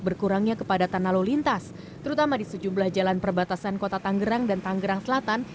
berkurangnya kepadatan lalu lintas terutama di sejumlah jalan perbatasan kota tanggerang dan tanggerang selatan